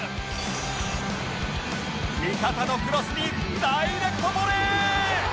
味方のクロスにダイレクトボレー！